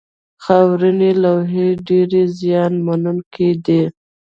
خاورینې لوحې ډېرې زیان منونکې دي.